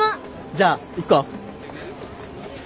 じゃあ行こう。